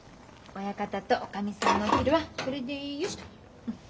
親方とおかみさんのお昼はこれでよしと。